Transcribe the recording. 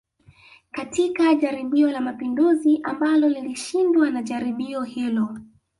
Katika jaribio la mapinduzi ambalo lilishindwa na jaribio hilo